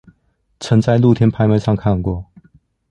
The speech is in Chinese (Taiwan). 曾在露天拍賣上看過